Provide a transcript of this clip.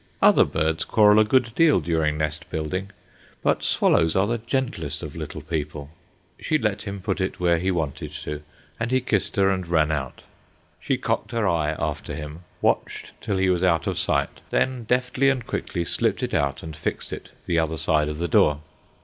Other birds quarrel a good deal during nest building, but swallows are the gentlest of little people. She let him put it where he wanted to, and he kissed her and ran out. She cocked her eye after him, watched till he was out of sight, then deftly and quickly slipped it out and fixed it the other side of the door.